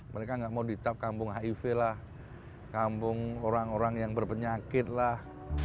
mereka nggak mau dicap kampung hiv lah kampung orang orang yang berpenyakit lah